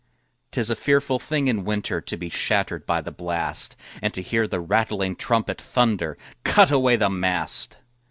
'Tis a fearful thing in winter To be shattered by the blast, And to hear the rattling trumpet Thunder, "Cut away the mast!"